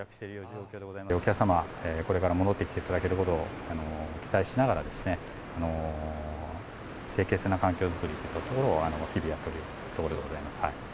お客様、これから戻ってきていただけることを期待しながら、清潔な環境作りを日々やっているところでございます。